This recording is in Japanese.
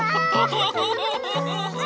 ハハハハハ。